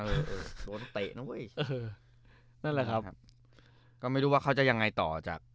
เออโดนเตะน้องเขาอีกเออนั่นแหละครับครับก็ไม่รู้ว่าเขาจะยังไงต่อจาก